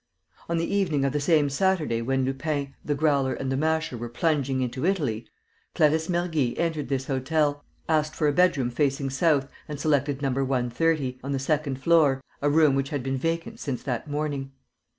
On the evening of the same Saturday when Lupin, the Growler and the Masher were plunging into Italy, Clarisse Mergy entered this hotel, asked for a bedroom facing south and selected No. 130, on the second floor, a room which had been vacant since that morning.